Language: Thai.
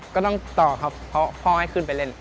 ก็ต้องต่อครับเพราะพ่อให้ขึ้นไปเล่น